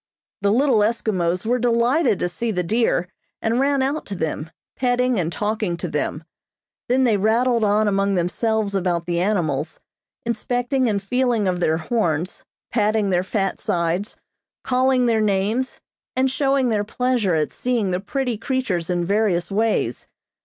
The little Eskimos were delighted to see the deer, and ran out to them, petting and talking to them. Then they rattled on among themselves about the animals, inspecting and feeling of their horns, patting their fat sides, calling their names, and showing their pleasure at seeing the pretty creatures in various ways.